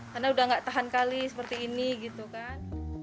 karena udah gak tahan kali seperti ini gitu kan